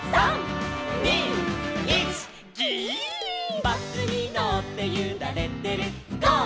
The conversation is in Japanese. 「バスにのってゆられてるゴー！